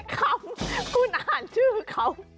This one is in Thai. ทำไมที่ฉันคำคุณอ่านชื่อเขา